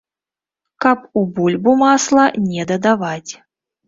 Каб у бульбу масла не дадаваць.